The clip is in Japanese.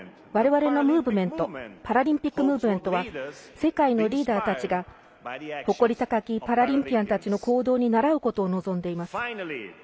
我々のムーブメントパラリンピックムーブメントは世界のリーダーたちが誇り高きパラリンピアンたちの行動にならうことを望んでいます。